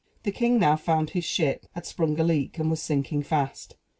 The king now found his ship had sprung a leak, and was sinking fast.